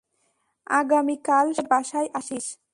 আগামীকাল সকালে বাসায় আসিস।